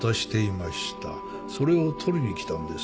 それを取りに来たんです。